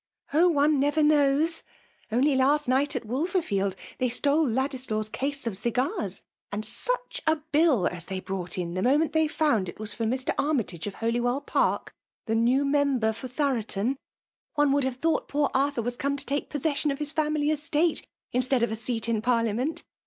" Oh ! one never knows ! Only last night, «t Wdvcrfidd, they stole Ladislaw's case of cigars. And such a. bili as they brought ii^ the uonent they found it was fbr Mr. Anaylage, of Holywell Paik, the new 1^ FKMALB DOmiVAJlGtli tJcr for Thoroton ! One would hare thoiiglii poor Arthur was edrae to take poeseasion of Iiis family edtafe, instead of a seat in parlia* menl!